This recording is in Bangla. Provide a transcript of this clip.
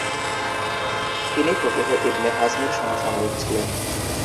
তিনি ফকীহ ইবনে হাজমের সমসাময়িক ছিলেন।